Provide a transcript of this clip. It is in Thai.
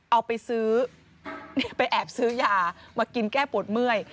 เอาไปซื้อไปแอบซื้อยามากินแก้ปวดเมื่อย